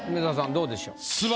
どうでしょう？